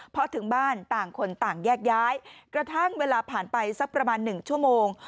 พอถึงบ้านต่างคนต่างแยกย้ายกระทั่งเวลาผ่านไปสักประมาณ๑ชั่วโมง